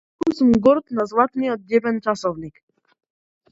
Многу сум горд на златниот џебен часовник.